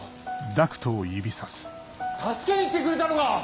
助けに来てくれたのか？